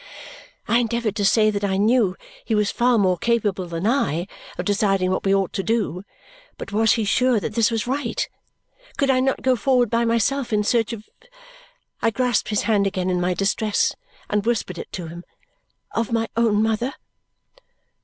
I endeavoured to say that I knew he was far more capable than I of deciding what we ought to do, but was he sure that this was right? Could I not go forward by myself in search of I grasped his hand again in my distress and whispered it to him of my own mother.